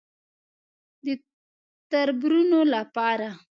_د تربرونو له پاره.